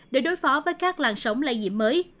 để đối phó với các làn sóng lây nhiễm mới